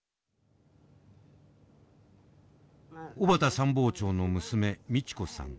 小畑参謀長の娘道子さん。